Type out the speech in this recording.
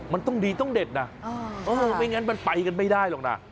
มันต้องดีต้องเด็ดนะไม่งั้นมันไปกันไม่ได้หรอกนะ